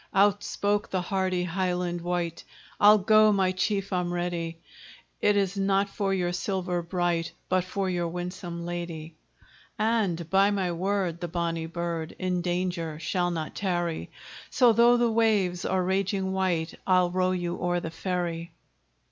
Out spoke the hardy Highland wight, "I'll go, my chief I'm ready; It is not for your silver bright, But for your winsome lady; "And by my word! the bonny bird In danger shall not tarry; So though the waves are raging white I'll row you o'er the ferry."